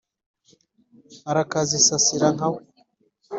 urakazisasira nka we.